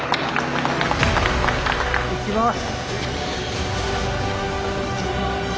いきます。